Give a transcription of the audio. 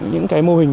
những mô hình